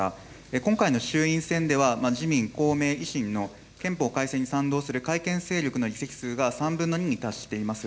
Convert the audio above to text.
今回の衆院選では、自民、公明、維新の、憲法改正に賛同する改憲勢力の議席数が３分の２に達しています。